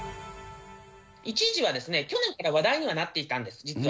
一時は、去年から話題にはなっていたんです、実は。